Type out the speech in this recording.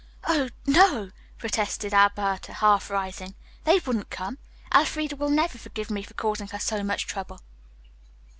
"Oh, no!" protested Alberta, half rising. "They wouldn't come. Elfreda will never forgive me for causing her so much trouble."